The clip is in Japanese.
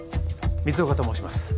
光岡と申します